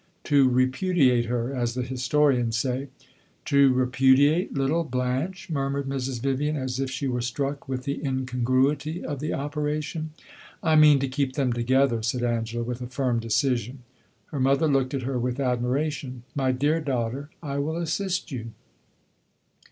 "To repudiate her, as the historians say!" "To repudiate little Blanche!" murmured Mrs. Vivian, as if she were struck with the incongruity of the operation. "I mean to keep them together," said Angela, with a firm decision. Her mother looked at her with admiration. "My dear daughter, I will assist you."